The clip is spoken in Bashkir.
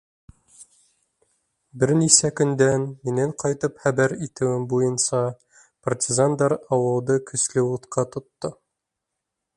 Бер нисә көндән, минең ҡайтып хәбәр итеүем буйынса, партизандар ауылды көслө утҡа тотто.